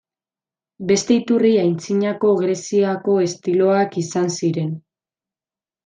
Beste iturri Antzinako Greziako estiloak izan ziren.